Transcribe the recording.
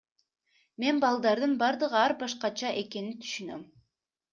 Мен балдардын бардыгы ар башкача экенин түшүнөм.